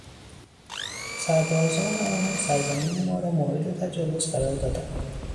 سربازان آنان سرزمین ما را مورد تجاوز قرار دادند.